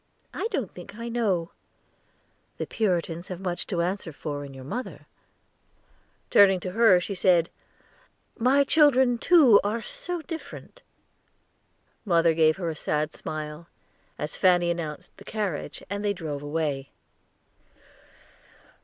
"I don't think I know; the Puritans have much to answer for in your mother " Turning to her she said, "My children, too, are so different." Mother gave her a sad smile, as Fanny announced the carriage, and they drove away.